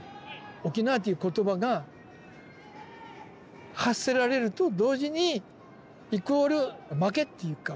「沖縄」っていう言葉が発せられると同時にイコール負けっていうか。